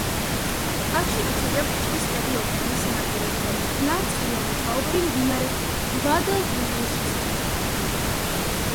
პარკში დაცულია ფიჭვის ტყეები ოკეანის სანაპიროზე და მტკნარწყლიანი ჭაობები მდინარე გვადალკვივირის შესართავთან.